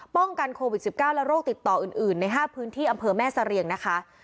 ป้องกันโควิด๑๙และโรคติดต่ออื่นใน๕พื้นที่อำเภอแม่เสรียงนะคะ